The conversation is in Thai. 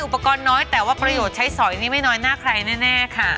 อุปกรณ์น้อยแต่ว่าประโยชน์ใช้สอยนี่ไม่น้อยหน้าใครแน่ค่ะ